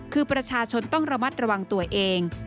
คือประชาชนต้องระมัดระวังตัวเอง